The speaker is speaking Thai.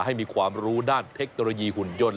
ให้มีความรู้ด้านเทคโนโลยีหุ่นยนต์